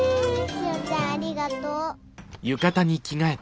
しおちゃんありがとう。